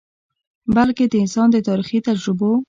بلکه د انسان د تاریخي تجربو ،